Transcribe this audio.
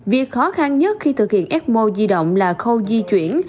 việc khó khăn nhất khi thực hiện ecmo di động là khâu di chuyển